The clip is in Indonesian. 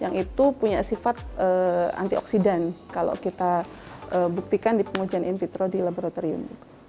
yang itu punya sifat antioksidan kalau kita buktikan di pengujian in vitro di laboratorium